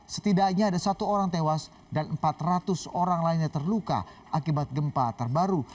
setidaknya ada satu orang tewas dan empat ratus orang lainnya terluka akibat gempa terbaru